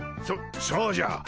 そそうじゃ。